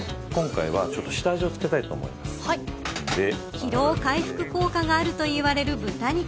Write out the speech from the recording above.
疲労回復効果があるといわれる豚肉。